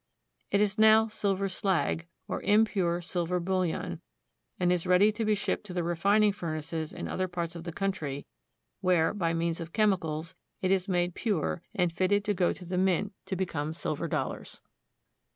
It is now silver slag, or impure silver bullion, and is ready to be shipped to the refining furnaces in other parts of the country, where, by means of chemicals, it is made pure and fitted to go to the mint to become silver dollars.